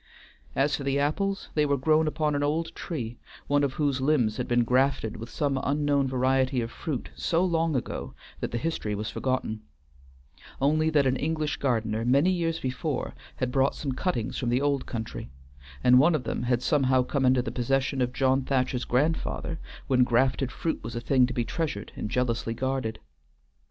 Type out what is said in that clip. As for the apples, they were grown upon an old tree, one of whose limbs had been grafted with some unknown variety of fruit so long ago that the history was forgotten; only that an English gardener, many years before, had brought some cuttings from the old country, and one of them had somehow come into the possession of John Thacher's grandfather when grafted fruit was a thing to be treasured and jealously guarded.